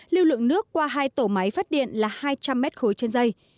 lưu lượng nước qua hai tổ máy phát điện là hai trăm linh m ba trên dây